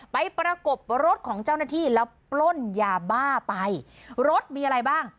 ประกบรถของเจ้าหน้าที่แล้วปล้นยาบ้าไปรถมีอะไรบ้าง